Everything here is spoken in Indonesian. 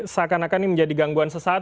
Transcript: seakan akan ini menjadi gangguan sesaat